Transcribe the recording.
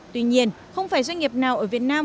tuy nhiên không phải doanh nghiệp nào ở việt nam